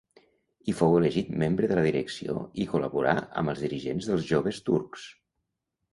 Hi fou elegit membre de la direcció i col·laborà amb els dirigents dels Joves Turcs.